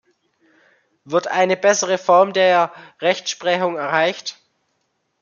Wird eine bessere Form der Rechtsprechung erreicht?